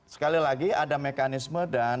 sekali lagi ada mekanisme dan